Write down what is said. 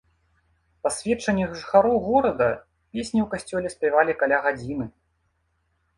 Па сведчаннях жыхароў горада, песні ў касцёле спявалі каля гадзіны.